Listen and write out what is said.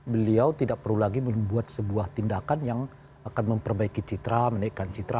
beliau tidak perlu lagi membuat sebuah tindakan yang akan memperbaiki citra menaikkan citra